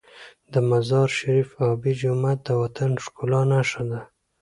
د مزار شریف آبي جومات د وطن د ښکلا نښه ده.